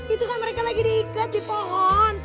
itu kan mereka lagi diikat di pohon